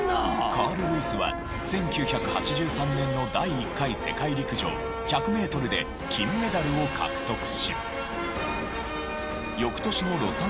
カール・ルイスは１９８３年の第１回世界陸上１００メートルで金メダルを獲得し。